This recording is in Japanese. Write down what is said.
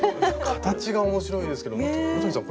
形が面白いですけど野谷さん